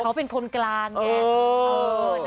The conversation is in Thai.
เขาเป็นคนกลางไง